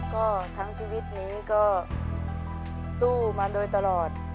ก็ทั้งชีวิตนี้ก็สู้มาโดยตลอด